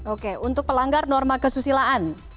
oke untuk pelanggar norma kesusilaan